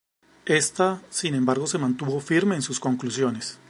Esta, sin embargo, se mantuvo firme en sus conclusiones.